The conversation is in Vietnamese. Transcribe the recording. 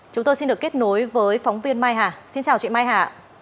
chúng tôi xin được kết nối với phóng viên mai hà xin chào chị mai hà